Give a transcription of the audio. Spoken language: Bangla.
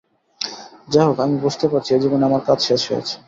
যা হোক, আমি বুঝতে পারছি, এ জীবনে আমার কাজ শেষ হয়েছে।